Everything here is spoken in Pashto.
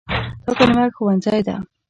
دا کلمه “ښوونځی” ده.